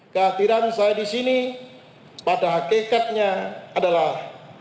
kehadiran saya di sini pada hakikatnya adalah